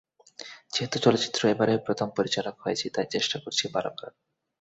যেহেতু চলচ্চিত্রে এবারই প্রথম পরিচালক হয়েছি, তাই চেষ্টা করেছি ভালো করার।